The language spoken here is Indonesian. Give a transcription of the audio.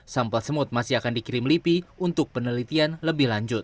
sampel semut masih akan dikirim lipi untuk penelitian lebih lanjut